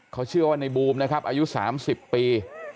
เขาชื่อว่าในบูมนะครับอายุ๓๐ปี